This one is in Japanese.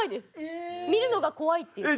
見るのが怖いっていって。